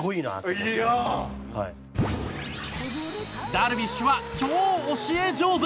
ダルビッシュは超教え上手。